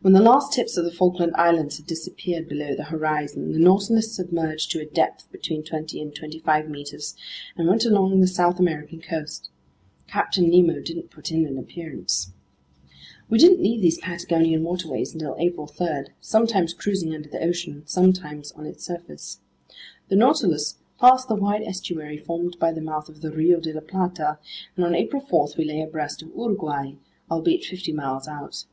When the last tips of the Falkland Islands had disappeared below the horizon, the Nautilus submerged to a depth between twenty and twenty five meters and went along the South American coast. Captain Nemo didn't put in an appearance. We didn't leave these Patagonian waterways until April 3, sometimes cruising under the ocean, sometimes on its surface. The Nautilus passed the wide estuary formed by the mouth of the Rio de la Plata, and on April 4 we lay abreast of Uruguay, albeit fifty miles out.